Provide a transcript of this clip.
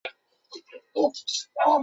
张美翊曾任上海宁波旅沪同乡会会长。